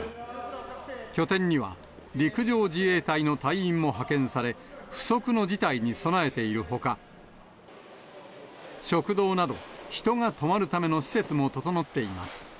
拠点には、陸上自衛隊の隊員も派遣され、不測の事態に備えているほか、食堂など、人が泊まるための施設も整っています。